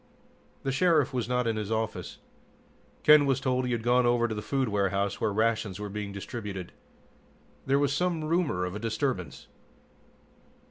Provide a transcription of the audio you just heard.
The Sheriff was not in his office. Ken was told he had gone over to the food warehouse where rations were being distributed. There was some rumor of a disturbance.